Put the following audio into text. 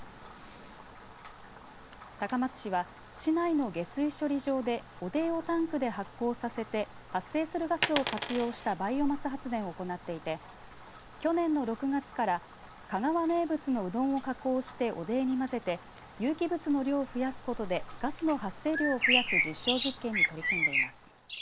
高松市は市内の下水処理場で汚泥をタンクで発酵させて発生するガスを活用したバイオマス発電を行っていて去年の６月から香川名物のうどんを加工して汚泥に混ぜて有機物の量を増やすことでガスの発生量を増やす実証実験に取り組んでいます。